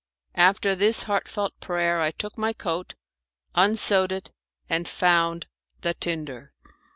After this heartfelt prayer I took my coat, unsewed it, and found the tinder!